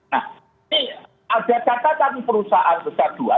nah ini ada catatan perusahaan besar dua